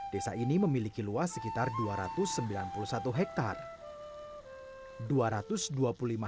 desa ini memiliki luas sekitar dua ratus sembilan puluh satu hektare